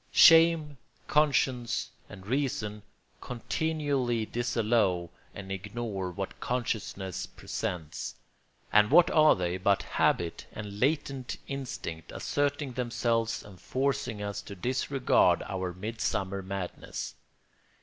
Shame, conscience, and reason continually disallow and ignore what consciousness presents; and what are they but habit and latent instinct asserting themselves and forcing us to disregard our midsummer madness?